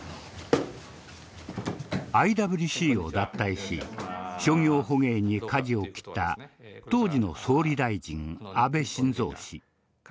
ＩＷＣを脱退し商業捕鯨にかじを切った当時の総理大臣安倍晋三氏。